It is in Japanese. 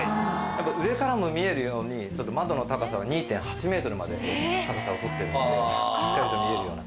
やっぱ上からも見えるように窓の高さは２．８ｍまで高さを取ってるんですけどしっかりと見えるような。